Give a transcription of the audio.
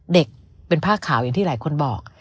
เด็กเป็นผ้าขาวอย่างที่หลายคนบอก